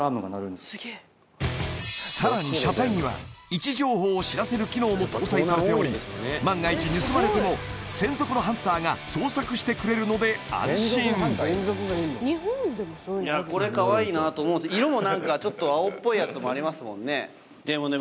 さらに車体には位置情報を知らせる機能も搭載されており万が一盗まれてもしてくれるので安心いやこれかわいいなと思うんです色も何かちょっと青っぽいやつもありますもんねでもね